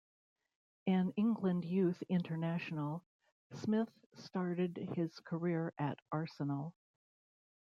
An England youth international, Smith started his career at Arsenal.